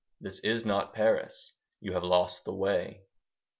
This is not Paris. You have lost the way.